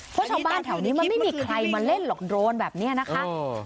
เพราะชาวบ้านแถวนี้มันไม่มีใครมาเล่นหรอกโรนแบบนี้นะคะ